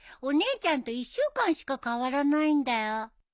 お姉ちゃんと１週間しか変わらないんだよ。